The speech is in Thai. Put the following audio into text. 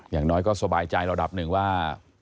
อย่างน้อยก็สบายใจระดับหนึ่งว่า